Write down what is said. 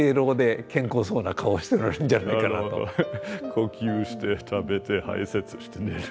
呼吸して食べて排せつして寝るだけ。